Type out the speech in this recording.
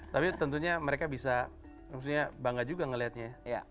tapi tentunya mereka bisa maksudnya bangga juga ngelihatnya ya